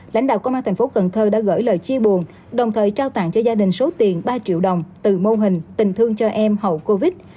lãnh đạo công an thành phố cần thơ đã gửi lời chia buồn đồng thời trao tặng cho gia đình số tiền ba triệu đồng từ mô hình tình thương cho em hậu covid